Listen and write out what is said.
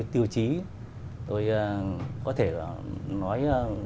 thì tôi có rồi